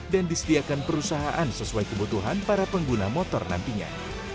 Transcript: dan disediakan perusahaan sesuai kebutuhan para pengguna motor nantinya